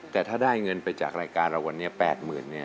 แต่ถ้าได้เงินไปจากรายการเราวันนี้๘๐๐๐เนี่ย